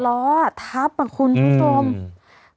ก็รถ๑๘ล้อทัพมาคุณผู้ชม